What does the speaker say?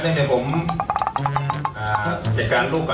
เดี๋ยวแพทย์เล่นให้ผม